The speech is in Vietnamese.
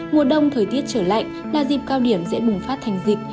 mùa đông thời tiết trở lạnh là dịp cao điểm dễ bùng phát thành dịch